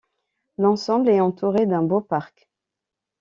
L'ensemble est entouré d'un beau parc.